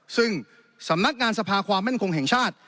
ซึ่งสำนักงานสภาความมั่นคงแห่งชาติ